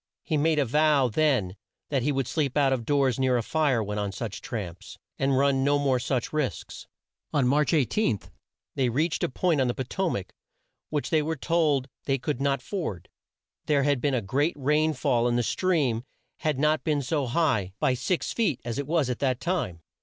He made a vow then that he would sleep out of doors near a fire when on such tramps, and run no more such risks. On March 18, they reached a point on the Po to mac, which they were told they could not ford. There had been a great rain fall and the stream had not been so high, by six feet, as it was at that time.